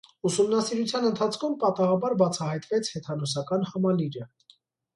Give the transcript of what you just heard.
Ուսումնասիրության ընթացքում պատահաբար բացահայտվեց հեթանոսական համալիրը։